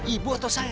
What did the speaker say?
ibu atau saya